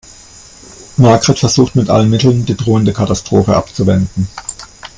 Margret versucht mit allen Mitteln, die drohende Katastrophe abzuwenden.